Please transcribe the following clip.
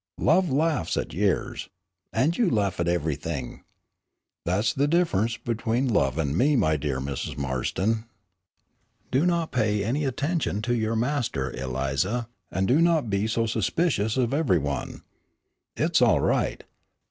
"Love laughs at years." "And you laugh at everything." "That's the difference between love and me, my dear Mrs. Marston." "Do not pay any attention to your master, Eliza, and do not be so suspicious of every one. It is all right.